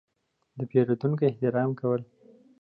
– د پېرودونکو احترام کول.